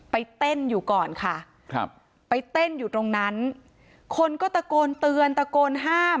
ไปเต้นอยู่ก่อนค่ะครับไปเต้นอยู่ตรงนั้นคนก็ตะโกนเตือนตะโกนห้าม